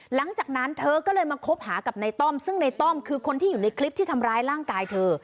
หลังจากนั้นเธอก็เลยมาคบหากับในต้อมซึ่งในต้อมคือคนที่อยู่ในคลิปที่ทำร้ายร่างกายเธอ